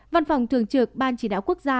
văn phòng thường trực ban chỉ đạo quốc gia